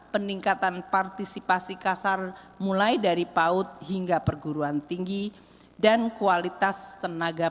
peningkatan partisipasi kasar mulai dari paut hingga perguruan tinggi dan kualitas tenaga